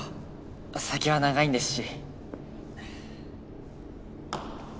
先は長いんですし。